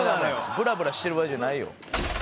ブラブラしてる場合じゃないよ。